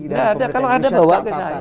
dari pemerintah indonesia